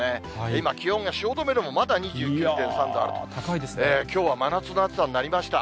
今、気温が汐留でも、まだ２９．３度あると、きょうは真夏の暑さになりました。